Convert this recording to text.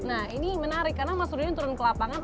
nah ini menarik karena mas rudin turun ke lapangan